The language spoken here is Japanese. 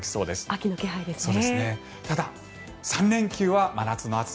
秋の気配ですね。